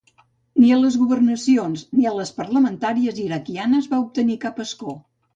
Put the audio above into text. Ni a les de governacions ni a les parlamentàries iraquianes va obtenir cap escó.